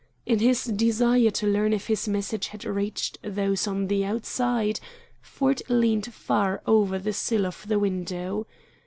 In his desire to learn if his message had reached those on the outside, Ford leaned far over the sill of the window.